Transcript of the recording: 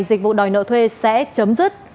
dịch vụ đòi nợ thuê sẽ chấm dứt